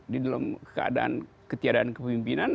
di dalam keadaan ketiadaan kepemimpinan